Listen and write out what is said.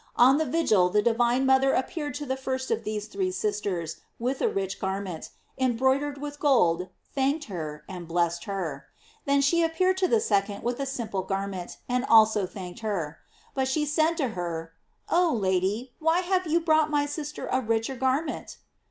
On the vigil the divine mother appeared to the first of these three sisters with a rich garment, embroidered with gold, thanked her, and blessed her. Then she ap peared to the second with a simple garment, and also thanked her. But she said to her: "Oh Lady, why have you brought my sister a richer garment?"